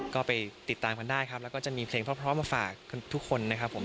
ก็ไปติดตามกันได้ครับแล้วก็จะมีเพลงพร้อมมาฝากทุกคนนะครับผม